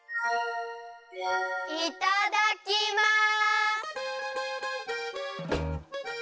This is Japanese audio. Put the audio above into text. いただきます！